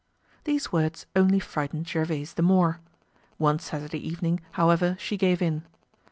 These words only frightened Gervaise the more. One Saturday evening, however, she gave in.